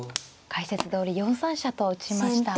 解説どおり４三飛車と打ちました。